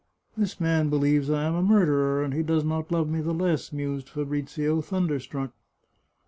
" This man believes I am a murderer, and he does not love me the less," mused Fabrizio, thunder struck.